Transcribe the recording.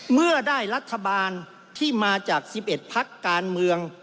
เมื่อได้รัฐบาลที่มาจาก๑๑พักการเมือง